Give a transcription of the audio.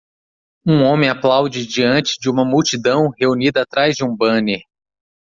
Um homem aplaude diante de uma multidão reunida atrás de um banner.